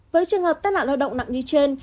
với trường hợp tai nạn lao động nặng như trên